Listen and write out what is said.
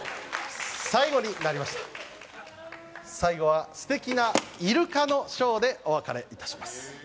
最後になりました、最後はすてきなイルカのショーでお別れいたします。